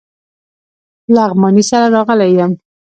لغمانی سره راغلی یم.